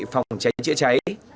phòng cháy chữa cháy